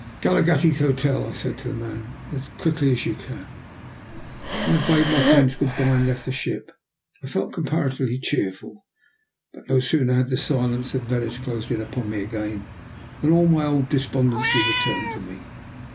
"Galaghetti's hotel," I said to the man, "and as quickly as you can." When I had bade my friends "good bye" and left the ship, I felt comparatively cheerful, but no sooner had the silence of Venice closed in upon me again than all my old despondency returned to me.